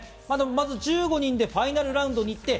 まずは１５人でファイナルラウンドに行って